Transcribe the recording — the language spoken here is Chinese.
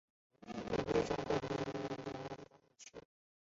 与中贝德福德郡相邻的贝德福德区由非都市区升格为单一管理区。